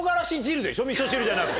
みそ汁じゃなくて。